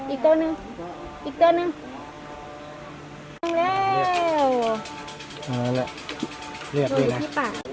อีกตัวหนึ่งอีกตัวหนึ่งอีกตัวหนึ่งเร็วเอาละเรียบดีนะดูอยู่ที่ปาก